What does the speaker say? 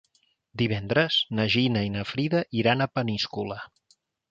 Divendres na Gina i na Frida iran a Peníscola.